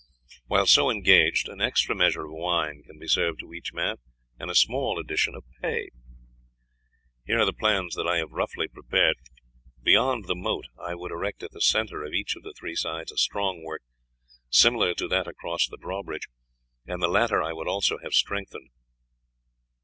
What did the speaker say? While so engaged an extra measure of wine can be served to each man, and a small addition of pay. Here are the plans that I have roughly prepared. Beyond the moat I would erect at the centre of each of the three sides a strong work, similar to that across the drawbridge, and the latter I would also have strengthened.